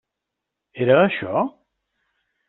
Era això?